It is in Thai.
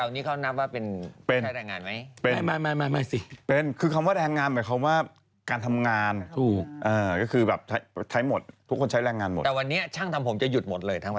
อย่างเหล่านี้เขานับว่าเป็นผู้ใช้แรงงานไหม